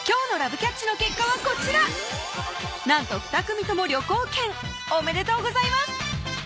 キャッチの結果はこちらなんとふた組とも旅行券おめでとうございます